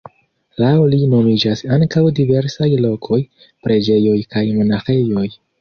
Laŭ li nomiĝas ankaŭ diversaj lokoj, preĝejoj kaj monaĥejoj.